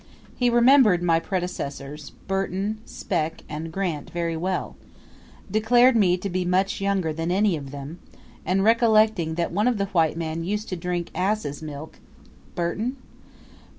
He remembered my predecessors, Burton, Speke, and Grant, very well; declared me to be much younger than any of them; and, recollecting that one of the white men used to drink asses' milk (Burton?)